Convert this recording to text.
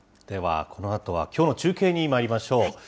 では、このあとはきょうの中継にまいりましょう。